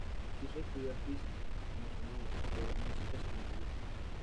Quiso estudiar Física, como su madre, pero la música se lo impidió.